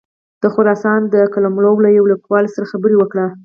د خراسان د قلموال له یوه لیکوال سره خبرې وکړې.